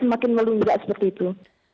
mungkin melunjak seperti itu